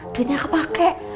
duitnya aku pakai